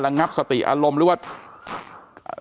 งับสติอารมณ์หรือว่า